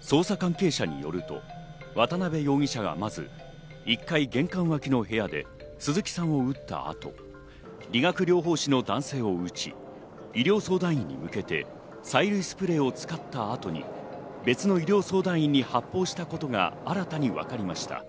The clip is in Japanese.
捜査関係者によると渡辺容疑者はまず、１階玄関脇の部屋で鈴木さんを撃った後、医学療法士の男性を撃ち、医療相談員に向けて催涙スプレーを使った後に別の医療相談員に発砲したことが新たに分かりました。